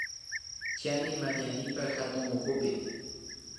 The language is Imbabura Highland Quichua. Chani manañipak katunawkupi